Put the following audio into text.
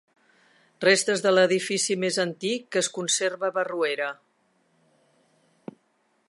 Restes de l'edifici més antic que es conserva a Barruera.